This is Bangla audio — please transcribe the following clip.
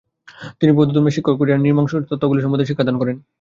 তিনি বৌদ্ধধর্ম বিশেষ করে র্ন্যিং-মা সম্বন্ধীয় তত্ত্বগুলির ওপর শিক্ষাদান করেন।